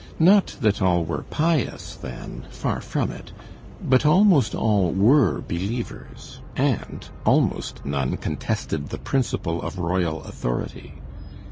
Not that all were pious then, far from it, but almost all were believers, and almost none contested the principle of royal authority.